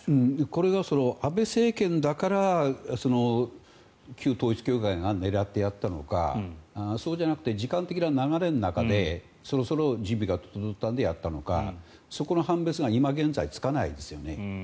これが安倍政権だから旧統一教会が狙ってやったのかそうじゃなくて時間的な流れの中でそろそろ準備が整ったのでやったのかそこの判別が今現在、つかないですよね。